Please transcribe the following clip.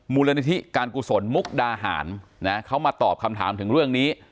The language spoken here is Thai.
มูลนิธิการกุศลมุกดาหารนะเขามาตอบคำถามถึงเรื่องนี้